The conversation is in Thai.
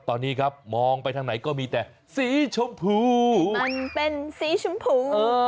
ตอนนี้ครับมองไปทางไหนก็มีแต่สีชมพูมันเป็นสีชมพู